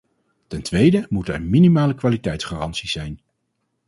Ten tweede moeten er minimale kwaliteitsgaranties zijn.